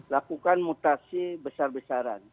lakukan mutasi besar besaran